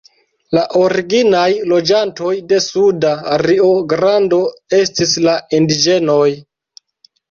La originaj loĝantoj de Suda Rio-Grando estis la indiĝenoj.